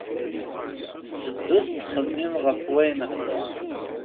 Tetteddu tettxemmim ɣef wayen hedren.